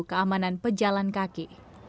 keamanan pejalan kaki